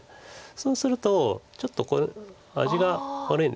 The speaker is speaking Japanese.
そうするとちょっと味が悪いんです。